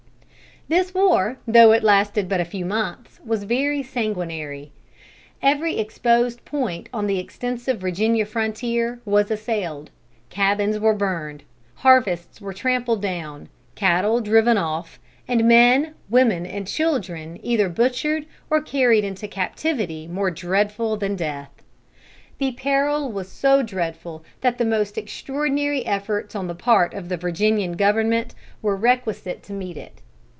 This war, though it lasted but a few months, was very sanguinary. Every exposed point on the extensive Virginia frontier was assailed. Cabins were burned, harvests were trampled down, cattle driven off, and men, women, and children either butchered or carried into captivity more dreadful than death. The peril was so dreadful that the most extraordinary efforts on the part of the Virginian Government were requisite to meet it.